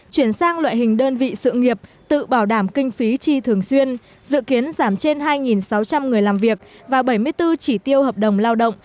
chuyển sang loại hình đơn vị sự nghiệp tự bảo đảm kinh phí chi thường xuyên dự kiến giảm trên hai sáu trăm linh người làm việc và bảy mươi bốn chỉ tiêu hợp đồng lao động